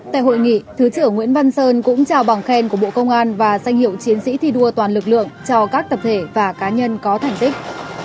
tại hội nghị thứ trưởng nguyễn văn sơn cũng trao bằng khen của bộ công an và danh hiệu chiến sĩ thi đua toàn lực lượng cho các tập thể và cá nhân có thành tích